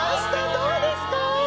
どうですか？